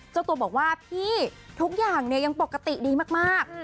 เจ้าตัวบอกว่าพี่ทุกอย่างเนี่ยยังปกติดีมาก